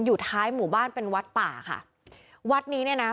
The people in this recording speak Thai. อยู่ท้ายหมู่บ้านเป็นวัดป่าค่ะวัดนี้เนี่ยนะ